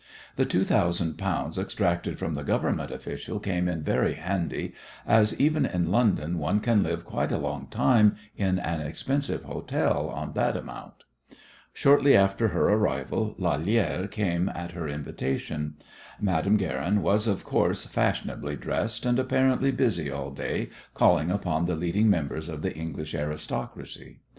The two thousand pounds extracted from the Government official came in very handy, as even in London one can live quite a long time in an expensive hotel on that amount. Shortly after her arrival Lalère came at her invitation. Madame Guerin was, of course, fashionably dressed and apparently busy all day calling upon the leading members of the English aristocracy.